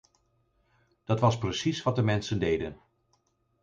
Dat was precies wat de mensen deden.